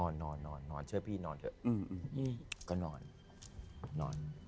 นอนเชื่อพี่นอน